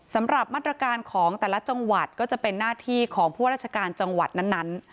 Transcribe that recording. สำหรับมาตรการของแต่ละจังหวัดก็จะเป็นหน้าที่ของพวกราชการจังหวัดนั้น